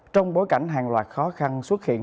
trong bối cảnh hàng loạt khó khăn xuất hiện